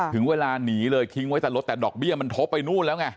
ถึงเวลาหนีเลยทิ้งไว้แต่รถแต่ดอกเบี้ยมันทบไปนู่นแล้วไง